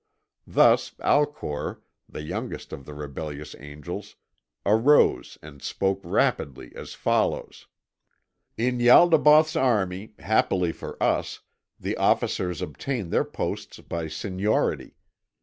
Thus Alcor, the youngest of the rebellious angels, arose and spoke rapidly as follows: "In Ialdabaoth's army, happily for us, the officers obtain their posts by seniority.